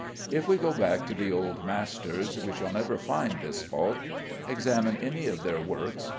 If we go back to the old masters, we shall never find this fault. Examine any of their works.